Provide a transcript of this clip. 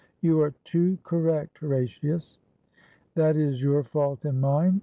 You are too correct, Horatius. That is your fault and mine.